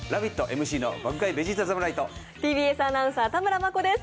ＭＣの爆買いベジータ侍とＴＢＳアナウンサー田村真子です